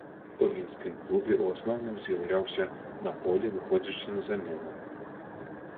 У мінскім клубе ў асноўным з'яўляўся на полі, выходзячы на замену.